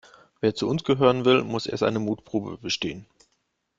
Wer zu uns gehören will, muss erst eine Mutprobe bestehen.